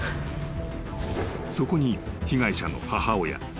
［そこに被害者の母親。